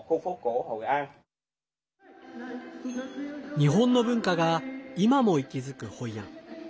日本の文化が今も息づくホイアン。